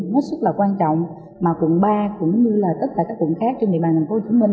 rất quan trọng mà quận ba cũng như các quận khác trên địa bàn thành phố hồ chí minh